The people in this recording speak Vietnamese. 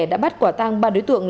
đã bắt quả tăng ba đối tượng